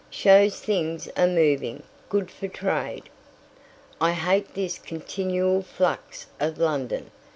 "Shows things are moving. Good for trade." "I hate this continual flux of London.